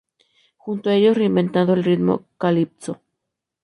Junto a ellos, reinventado el ritmo "calypso".